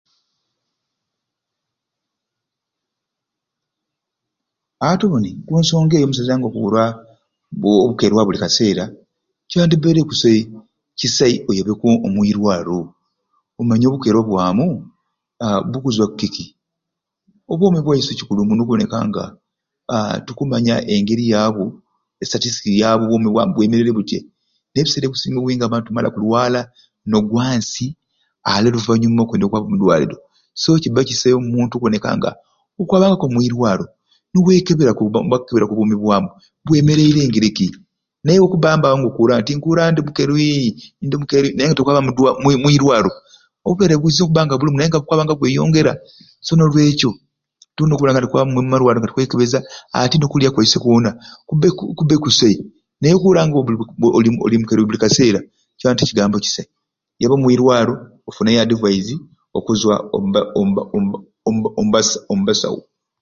Ati buni ku nsonga eyo omusaiza ng'okuura obukerwa buli kaseera kyandibaire kusai kisai oyabeku omwirwaliro omanye obukerwa bwamu aa bukuzwa ku kiki obwoomi bwaiswe kikulu muno okuboneka nga aa tukumanya engeri yabwo ne sitatisitiki yabwo bwemereire butya naye ebiseera ebisinga obwingi abantu tumala kulwala n'ogwa ansi ale oluvanyuma okwendya okwaba o mwirwaliro so kyakubaire kisai omuntu noboneka nga okwaba omwirwaro niwekebera niba bba nibakukebera oku bwoomi bwamu mwemereire ngeri ki naye we nabaawo buli kaseera ndi mukerwi ndi mukerwi naye nga tokwaba mudwa mwirwaro obulwaire buyinza okubba nga butaamu kale n'olwekyo tulina okubona nga tokwaba omwirwaro twekeberesyeku ate n'okulya kwaiswe kwona kubbe kubbe kusai naye okuura nga oli mukerwi buli buli kiseera kyoona ti kigambi kisai. Yaba omwirwaro ofune adivayizi okuzwa omu omu omu omubasa omubasawu